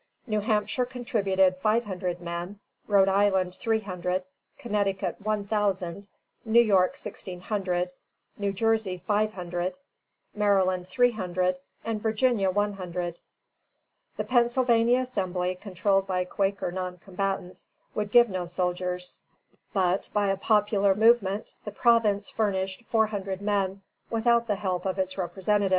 New Hampshire contributed five hundred men, Rhode Island three hundred, Connecticut one thousand, New York sixteen hundred, New Jersey five hundred, Maryland three hundred, and Virginia one hundred. The Pennsylvania Assembly, controlled by Quaker non combatants, would give no soldiers; but, by a popular movement, the province furnished four hundred men, without the help of its representatives.